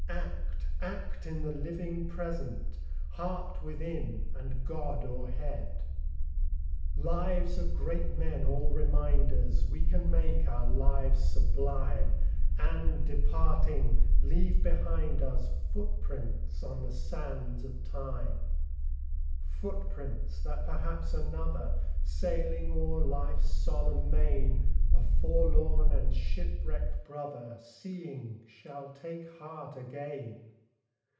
Act, — act in the living Present ! Heart within, and God o'erhead ! A PSALM OF LIFE. Lives of great men all remind us We can make our lives sublime, And, departing, leave behind us Footsteps on the sands of time ; Footsteps, that perhaps another, Sailing o'er life's solemn main, A forlorn and shipwrecked brother, Seeing, shall take heart again.